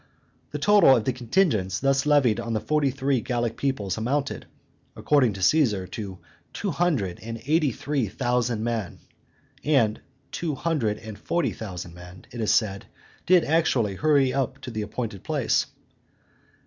The total of the contingents thus levied on forty three Gallic peoplets amounted, according to Caesar, to two hundred and eighty three thousand men; and two hundred and forty thousand men, it is said, did actually hurry up to the appointed place.